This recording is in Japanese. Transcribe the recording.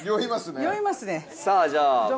酔いますね。